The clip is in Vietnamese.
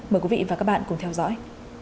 mời quý vị và các bạn cùng theo dõi